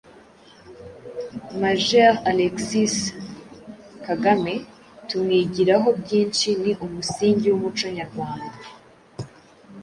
Mgr Alexis Kagame tumwigirahobyishi ni umusingi w’umuco nyarwanda.